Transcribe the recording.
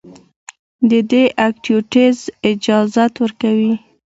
د دې ايکټويټيز اجازت ورکوي